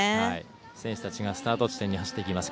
選手たちがスタート地点に走っていきます。